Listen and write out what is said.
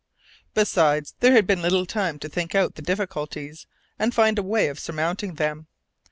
Besides, there had been little time to think out the difficulties, and find a way of surmounting them.